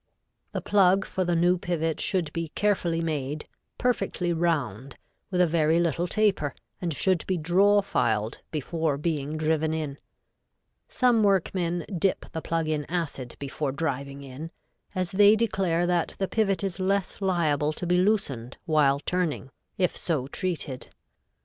The plug for the new pivot should be carefully made, perfectly round, with a very little taper, and should be draw filed before being driven in. Some workmen dip the plug in acid before driving in, as they declare that the pivot is less liable to be loosened while turning, if so treated.